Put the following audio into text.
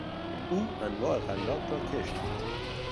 او انواع غلات را کشت میکند.